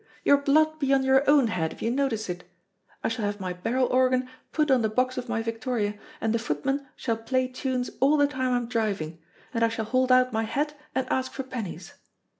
Your blood be on your own head if you notice it. I shall have my barrel organ put on the box of my victoria, and the footman shall play tunes all the time I'm driving, and I shall hold out my hat and ask for pennies.